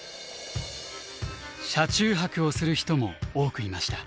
車中泊をする人も多くいました。